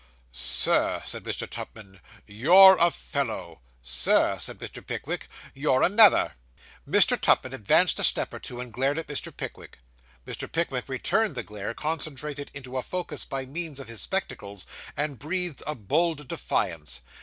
'Sir,' said Mr. Tupman, 'you're a fellow.' 'Sir,' said Mr. Pickwick, 'you're another!' Mr. Tupman advanced a step or two, and glared at Mr. Pickwick. Mr. Pickwick returned the glare, concentrated into a focus by means of his spectacles, and breathed a bold defiance.